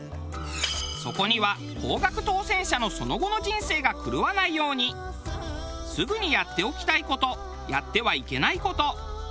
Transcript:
そこには高額当せん者のその後の人生が狂わないように「すぐにやっておきたいことやってはいけないこと」